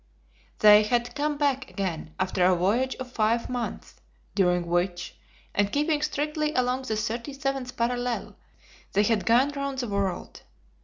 They had come back again after a voyage of five months, during which, and keeping strictly along the 37th parallel, they had gone round the world.